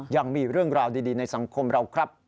ยังมีเรื่องราวดีในสังคมเราครับ